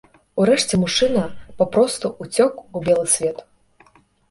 Урэшце мужчына папросту ўцёк у белы свет.